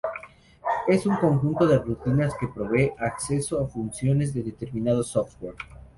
Es un conjunto de rutinas que provee acceso a funciones de un determinado software.